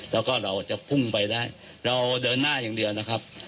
แล้วก็เราจะพุ่งไปได้เราเดินหน้าอย่างเดียวนะครับ